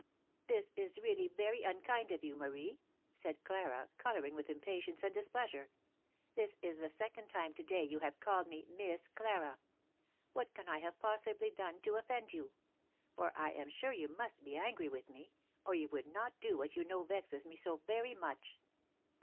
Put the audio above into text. "This is really very unkind of you, Marie," said Clara, colouring with impatience and displeasure. "This is the second time to day you have called me 'Miss Clara.' What can I have possibly done to offend you? For I am sure you must be angry with me, or you would not do what you know vexes me so very much."